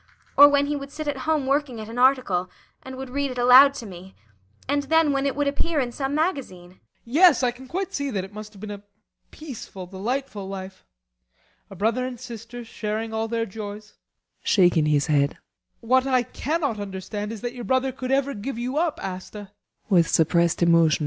Or when he would sit at home working at an article and would read it aloud to me. And then when it would appear in some magazine. BORGHEIM. Yes, I can quite see that it must have been a peaceful, delightful life a brother and sister sharing all their joys. [Shaking his head.] What I cannot understand is that your brother could ever give you up, Asta.